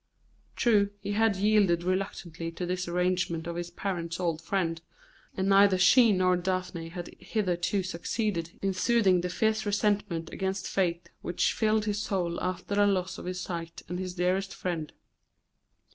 True, he had yielded reluctantly to this arrangement of his parents' old friend, and neither she nor Daphne had hitherto succeeded in soothing the fierce resentment against fate which filled his soul after the loss of his sight and his dearest friend.